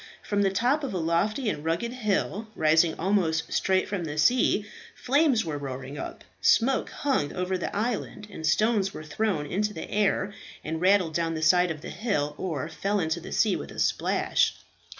From the top of a lofty and rugged hill, rising almost straight from the sea, flames were roaring up, smoke hung over the island, and stones were thrown into the air and rattled down the side of the hill, or fell into the sea with a splash.